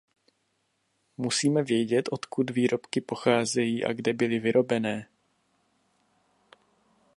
Musíme vědět, odkud výrobky pocházejí a kde byly vyrobené.